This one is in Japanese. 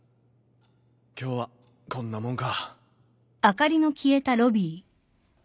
今日はこんなもんか。